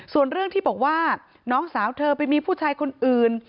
ส่วนเรื่องที่บอกว่าน้องสาวเธอไปมีผู้ชายคนอื่น